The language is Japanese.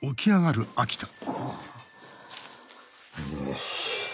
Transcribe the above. よし。